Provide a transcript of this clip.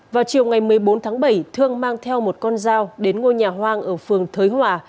vào chiều ngày một mươi bốn tháng bảy thương mang theo một con dao đến ngôi nhà hoang ở phường thới hòa